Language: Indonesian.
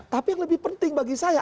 tapi yang lebih penting bagi saya